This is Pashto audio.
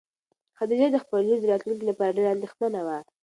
خدیجه د خپلې لور د راتلونکي لپاره ډېره اندېښمنه وه.